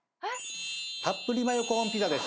たっぷりマヨコーンピザです。